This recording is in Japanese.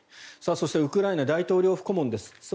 そしてウクライナ大統領府顧問です。